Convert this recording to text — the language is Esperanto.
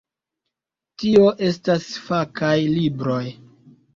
Tio estas fakaj libroj.